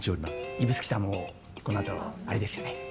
指宿さんもこの後あれですよね。